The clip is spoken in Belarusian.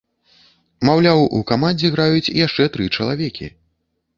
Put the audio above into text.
Маўляў, у камандзе граюць яшчэ тры чалавекі.